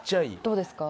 どうですか？